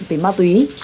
về ma túy